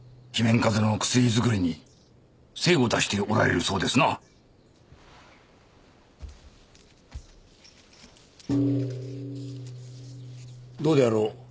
風邪の薬作りに精を出しておられるそうですなどうであろう？